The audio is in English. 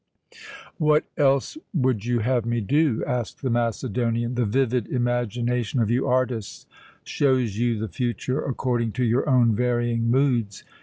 "What else would you have me do?" asked the Macedonian. "The vivid imagination of you artists shows you the future according to your own varying moods.